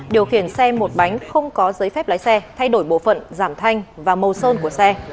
điều khiển xe một bánh không có giấy phép lái xe thay đổi bộ phận giảm thanh và màu sơn của xe